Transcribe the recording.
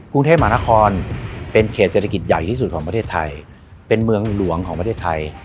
กรุงเทพมหานครเป็นเขตเศรษฐกิจใหญ่ที่สุดของประเทศไทยเป็นเมืองหลวงของประเทศไทย